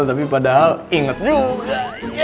tapi padahal inget juga